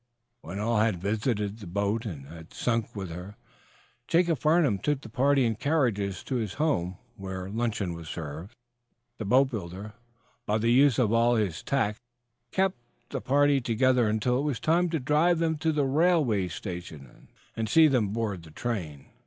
When all had visited the boat, and had sunk with her, Jacob Farnum took the party in carriages to his home, where luncheon was served. The boatbuilder, by the use of all his tact, kept the party together until it was time, to drive them to the railway station and see them aboard the train.